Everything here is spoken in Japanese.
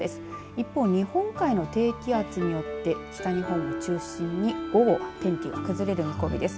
一方日本海の低気圧によって北日本を中心に午後、天気が崩れる見込みです。